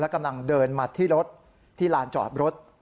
กำลังเดินมาที่รถที่ลานจอดรถ